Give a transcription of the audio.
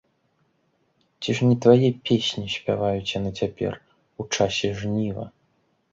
Ці ж не твае песні спяваюць яны цяпер, у часе жніва!